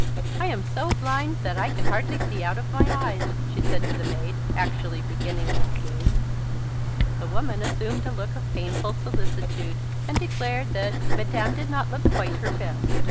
"I am so blind that I can hardly see out of my eyes," she said to the maid, actually beginning the scheme. The woman assumed a look of painful solicitude, and declared that "Madame did not look quite her best."